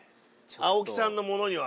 青木さんのものには。